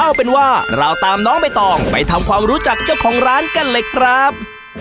เอาเป็นว่าเราตามน้องใบตองไปทำความรู้จักเจ้าของร้านกันเลยครับ